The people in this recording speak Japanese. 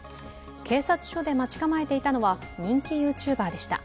警察署で待ち構えていたのは人気ＹｏｕＴｕｂｅｒでした。